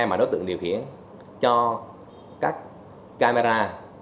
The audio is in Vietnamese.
mà đối tượng điều khiển cho các camera